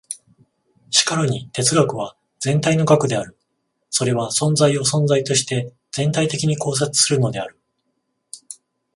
しかるに哲学は全体の学である。それは存在を存在として全体的に考察するのである。